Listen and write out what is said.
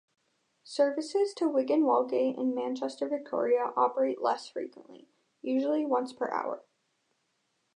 Services to Wigan Wallgate and Manchester Victoria operate less frequently, usually once per hour.